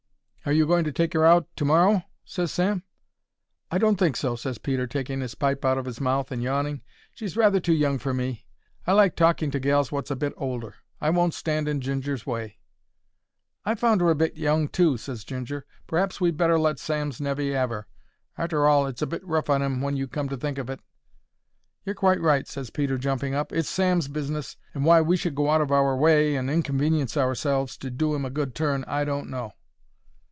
"Are you going to take 'er out to morrow?" ses Sam. "I don't think so," ses Peter, taking 'is pipe out of 'is mouth and yawning. "She's rather too young for me; I like talking to gals wot's a bit older. I won't stand in Ginger's way." "I found 'er a bit young too," ses Ginger. "P'r'aps we'd better let Sam's nevy 'ave 'er. Arter all it's a bit rough on 'im when you come to think of it." "You're quite right," ses Peter, jumping up. "It's Sam's business, and why we should go out of our way and inconvenience ourselves to do 'im a good turn, I don't know."